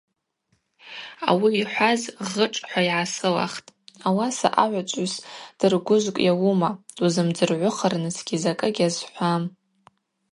Ауи йхӏваз гъышӏ – хӏва йгӏасылахтӏ: ауаса агӏвычӏвгӏвыс дыргвыжвкӏ йауума – дузымдзыргӏвыхырнысгьи закӏы гьазхӏвам.